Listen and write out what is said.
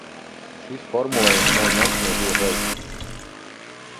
Šis formulējums nav ņemts no zila gaisa.